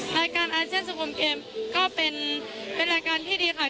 รายการเกมส์ดริสุภาพระเยี่ยมอาเซียนคือคนที่ดีค่ะ